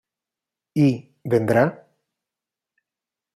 Y, ¿vendrá?